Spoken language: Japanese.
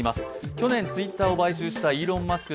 去年Ｔｗｉｔｔｅｒを買収したイーロン・マスク